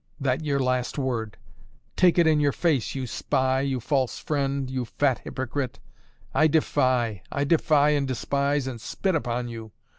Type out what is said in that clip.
That your last word! Take it in your face, you spy, you false friend, you fat hypocrite! I defy, I defy and despise and spit upon you!